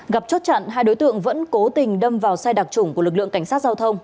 gặp chốt chặn hai đối tượng vẫn cố tình đâm vào xe đặc trủng của lực lượng cảnh sát giao thông